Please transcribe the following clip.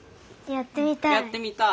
やってみたい？